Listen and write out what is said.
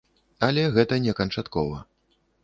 Але гэта не канчаткова.